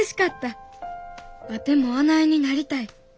ワテもあないになりたい。